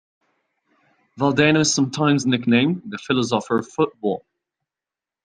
Valdano is sometimes nicknamed "The Philosopher of Football".